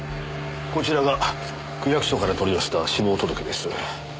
こちらが区役所から取り寄せた死亡届です。